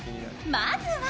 まずは